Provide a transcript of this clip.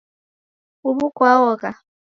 Uw'u kwaogha?